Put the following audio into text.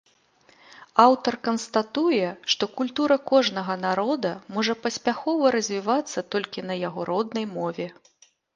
Аўтар канстатуе, што культура кожнага народа можа паспяхова развівацца толькі на яго роднай мове.